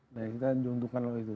dan kita diuntungkan oleh itu